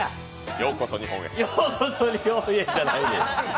ようこそ日本じゃないねん